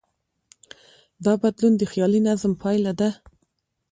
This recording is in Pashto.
دا بدلون د خیالي نظم پایله ده.